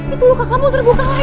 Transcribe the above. itu luka kamu terbuka lagi